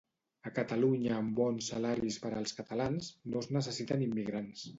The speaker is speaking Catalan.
A Catalunya amb bons salaris per als catalans no es necessiten immigrants